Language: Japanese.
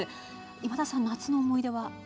今田さん「夏の思い出」は？